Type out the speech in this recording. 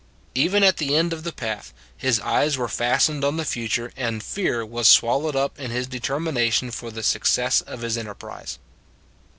Even at the end of the path, his eyes were fastened on the future and fear was swallowed up in his determination for the success of his enterprise.